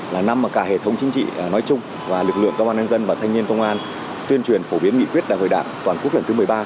là năm mà cả hệ thống chính trị nói chung và lực lượng công an nhân dân và thanh niên công an tuyên truyền phổ biến nghị quyết đại hội đảng toàn quốc lần thứ một mươi ba